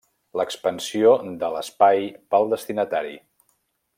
L'expansió de l'espai pel destinatari.